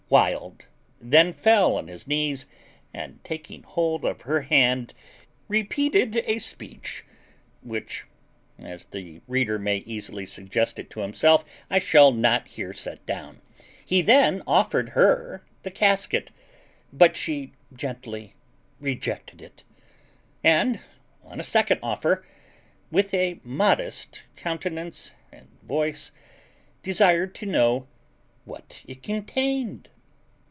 Wild then fell on his knees, and, taking hold of her hand, repeated a speech, which, as the reader may easily suggest it to himself, I shall not here set down. He then offered her the casket, but she gently rejected it; and on a second offer, with a modest countenance and voice, desired to know what it contained.